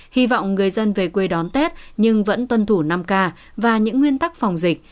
hy vọng người dân về quê đón tết nhưng vẫn tuân thủ năm k và những nguyên tắc phòng dịch